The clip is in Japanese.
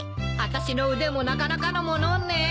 私の腕もなかなかのものね。